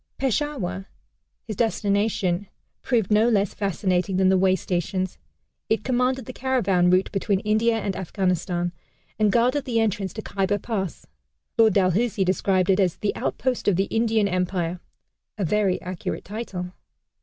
Peshawar, his destination, proved no less fascinating than the way stations. It commanded the caravan route between India and Afghanistan, and guarded the entrance to Khyber Pass. Lord Dalhousie described it as "the outpost of the Indian Empire" a very accurate title.